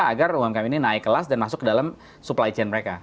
agar umkm ini naik kelas dan masuk ke dalam supply chain mereka